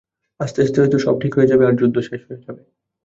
আস্তে আস্তে হয়তো সব ঠিক হয়ে যাবে আর যুদ্ধ শেষ হয়ে যাবে।